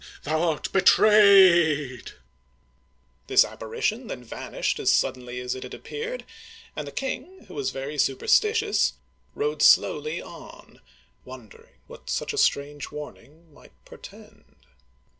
Thou art betrayed !" This apparition then vanished as suddenly as it had appeared, and the king — who was very superstitious — rode slowly on, wondering what such a strange warning might portend.